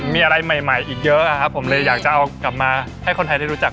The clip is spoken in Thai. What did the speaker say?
มีอะไรใหม่อีกเยอะครับผมเลยอยากจะเอากลับมาให้คนไทยได้รู้จัก